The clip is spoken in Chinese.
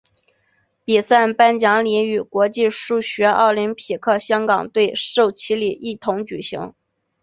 比赛颁奖礼与国际数学奥林匹克香港队授旗礼一同举行。